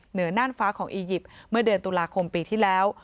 เหนือน่านฟ้าของอียิปต์เมื่อเดือนตุลาคมปีที่แล้ว